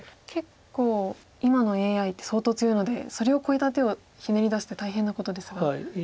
結構今のＡＩって相当強いのでそれを超えた手をひねり出すって大変なことですが。